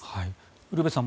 ウルヴェさん